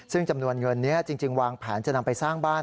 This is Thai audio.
ซึ่งจำนวนเงินนี้จริงวางแผนจะนำไปสร้างบ้าน